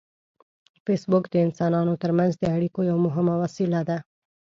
فېسبوک د انسانانو ترمنځ د اړیکو یو مهم وسیله ده